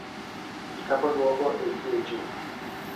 Il capoluogo è Liegi.